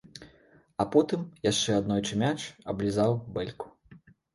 А потым яшчэ аднойчы мяч аблізаў бэльку.